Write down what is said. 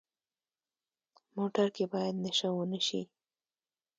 موټر کې باید نشه ونه شي.